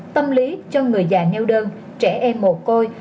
tâm lý cho người già neo đơn trẻ em mồ côi